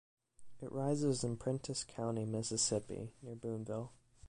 It rises in Prentiss County, Mississippi, near Booneville.